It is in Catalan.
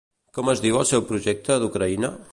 Com es diu el seu projecte d'Ucraïna?